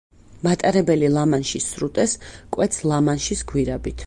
მატარებელი ლა-მანშის სრუტეს კვეთს ლა-მანშის გვირაბით.